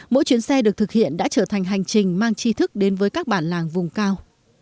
mỗi chuyến xe được thực hiện đã trở thành hành trình mang chi thức đến với các bản làng vùng cao